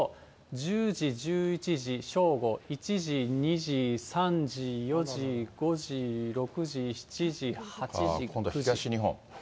１０時、１１時、正午、１時、２時、３時、４時、５時、６時、７時、８時、今度東日本。